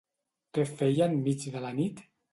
Què feia en mig de la nit?